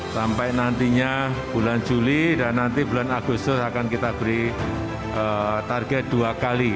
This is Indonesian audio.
sampai nantinya bulan juli dan nanti bulan agustus akan kita beri target dua kali